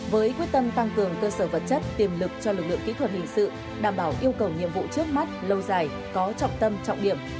với quyết tâm tăng cường cơ sở vật chất tiềm lực cho lực lượng kỹ thuật hình sự đảm bảo yêu cầu nhiệm vụ trước mắt lâu dài có trọng tâm trọng điểm